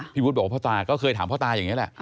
วุฒิบอกว่าพ่อตาก็เคยถามพ่อตาอย่างนี้แหละ